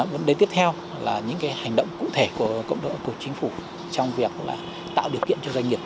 vấn đề tiếp theo là những hành động cụ thể của cộng đồng của chính phủ trong việc tạo điều kiện cho doanh nghiệp